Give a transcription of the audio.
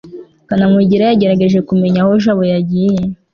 kanamugire yagerageje kumenya aho jabo yagiye